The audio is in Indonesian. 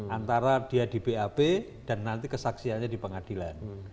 antara dia di bap dan nanti kesaksiannya di pengadilan